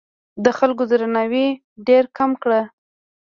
د خلکو درناوی ډېر کم کړ.